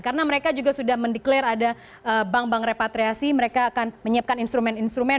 karena mereka juga sudah mendeklir ada bank bank repatriasi mereka akan menyiapkan instrumen instrumen